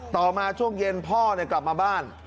ต่อมาช่วงเย็นพ่อกลับมาบ้าน